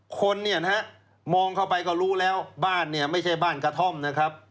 คนมองเข้าไปก็รู้แล้วบ้านไม่ใช่บ้านกะท่อมนะครับ